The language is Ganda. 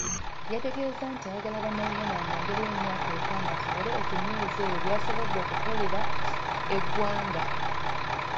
Yategeezezza nti ayagala Bannayuganda bamwongere emyaka etaano asobole okunyweza ebyo by'asobodde okukolera eggwanga.